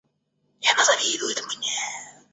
И она завидует мне.